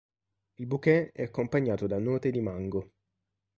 Il bouquet è accompagnato da note di mango.